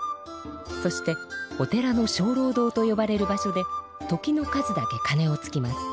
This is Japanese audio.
そしてお寺のしょうろう堂とよばれる場所で時の数だけかねをつきます。